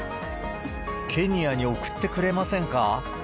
ケニアに送ってくれませんか？